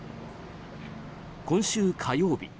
今週火曜日